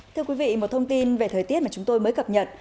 thưa quý vị một thông tin về thời tiết mà chúng tôi mới cập nhật